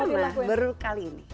yang gak pernah baru kali ini